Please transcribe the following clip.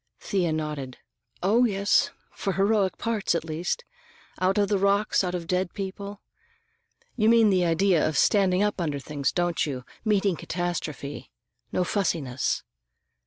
Thea nodded. "Oh, yes! For heroic parts, at least. Out of the rocks, out of the dead people. You mean the idea of standing up under things, don't you, meeting catastrophe? No fussiness.